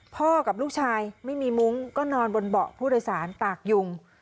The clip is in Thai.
กับลูกชายไม่มีมุ้งก็นอนบนเบาะผู้โดยสารตากยุง